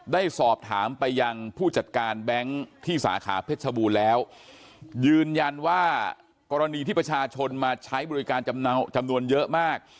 ได้สอบถามไปยังผู้จัดการแบงค์ที่สาขาเพชรชบูรณ์แล้วยืนยันว่ากรณีที่ประชาชนมาใช้บริการจำนวนเยอะมาก